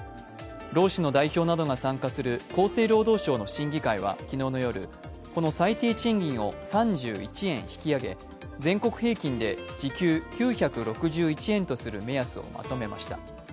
労使の代表などが参加する厚生労働省の審議会は昨日夜、この最低賃金を３１円引き上げ全国平均で時給９６１円とする目安をまとめました。